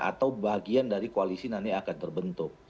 atau bagian dari koalisi nanti akan terbentuk